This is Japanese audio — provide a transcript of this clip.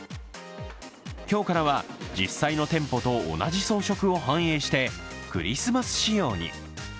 今日からは実際の店舗と同じ装飾を反映してクリスマス仕様に。